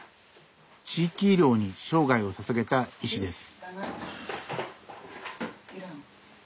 地域医療に生涯をささげた医師です。